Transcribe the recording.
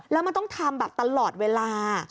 แล้วมันต้องทำแบบตลอดเวลา